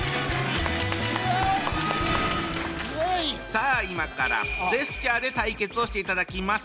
さあ今からジェスチャーで対決をしていただきます。